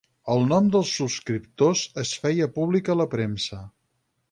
El nom dels subscriptors es feia públic a la premsa.